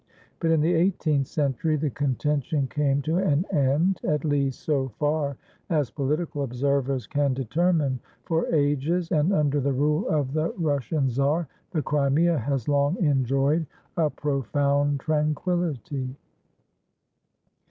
But in the eighteenth century the contention came to an end, at least so far as political observers can determine, for ages, and under the rule of the Russian Czar, the Crimea has long enjoyed a profound tranquillity.